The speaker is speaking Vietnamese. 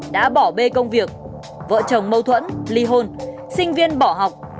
đã bỏ bê công việc vợ chồng mâu thuẫn ly hôn sinh viên bỏ học